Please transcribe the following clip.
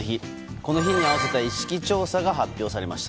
この日に合わせた意識調査が発表されました。